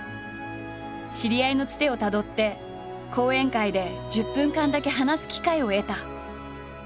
知り合いのつてをたどって講演会で１０分間だけ話す機会を得た。